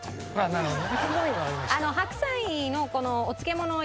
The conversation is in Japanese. なるほどね。